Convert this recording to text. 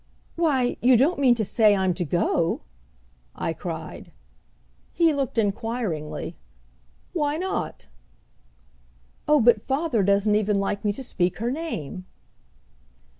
"Why, you don't mean to say I'm to go!" I cried. He looked inquiringly. "Why not?" "Oh, but father doesn't even like me to speak her name."